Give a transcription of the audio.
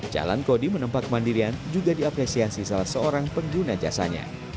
jalan kodi menempa kemandirian juga diapresiasi salah seorang pengguna jasanya